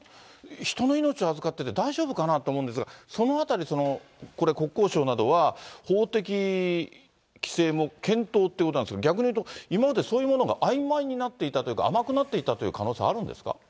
人の命を預かってて、大丈夫かなって思うんですが、そのあたり、これ、国交省などは法的規制も検討ってことなんですが、逆に言うと、今まで、そういうものがあいまいになっていたというか、甘くなっていたという可能性あるんですか？